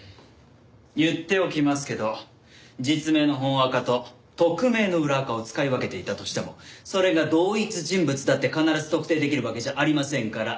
言っておきますけど実名の本アカと匿名の裏アカを使い分けていたとしてもそれが同一人物だって必ず特定できるわけじゃありませんから。